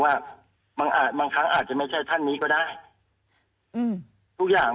ว่าบางอาจบางครั้งอาจจะไม่ใช่ท่านนี้ก็ได้อืมทุกอย่าง